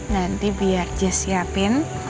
nanti biar je siapin